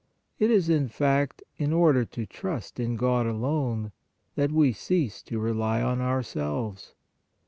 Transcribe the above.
It is, in fact, in order to trust in God only, that we cease to rely on ourselves.